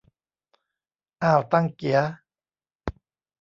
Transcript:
อ่าวตังเกี๋ย